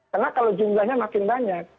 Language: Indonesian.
karena kalau jumlahnya makin banyak